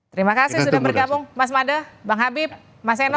terima kasih sudah bergabung mas made bang habib mas eno